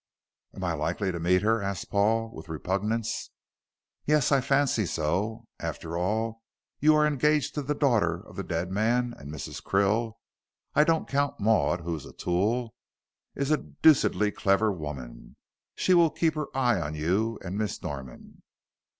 "Am I likely to meet her?" asked Paul, with repugnance. "Yes, I fancy so. After all, you are engaged to the daughter of the dead man, and Mrs. Krill I don't count Maud, who is a tool is a deucedly clever woman. She will keep her eye on you and Miss Norman."